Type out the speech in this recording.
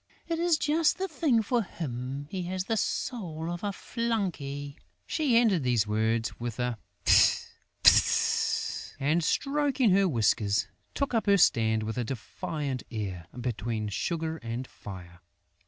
It is just the thing for him: he has the soul of a flunkey!" She ended these words with a "Fft! Fft!" and, stroking her whiskers, took up her stand, with a defiant air, between Sugar and Fire.